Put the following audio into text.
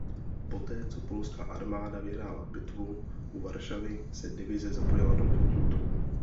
Poté co Polská armáda vyhrála bitvu u Varšavy se divize zapojila do protiútoku.